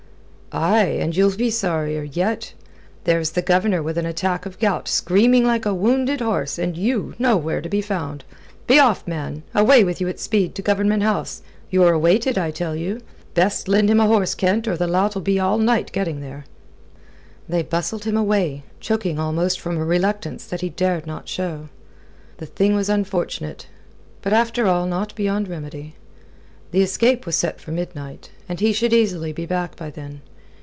"Aye, and you'll be sorrier yet. There's the Governor with an attack of gout, screaming like a wounded horse, and you nowhere to be found. Be off, man away with you at speed to Government House! You're awaited, I tell you. Best lend him a horse, Kent, or the lout'll be all night getting there." They bustled him away, choking almost from a reluctance that he dared not show. The thing was unfortunate; but after all not beyond remedy. The escape was set for midnight, and he should easily be back by then.